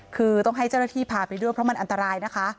คือต้องให้เจ้าหน้าที่พาไปด้วยเพราะมันอันตรายนะคะ